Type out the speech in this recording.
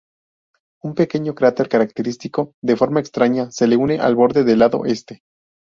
Una pequeño cráter característico de forma extraña se une al borde del lado este.